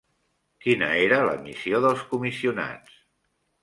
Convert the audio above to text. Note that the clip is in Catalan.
Quina era la missió dels comissionats?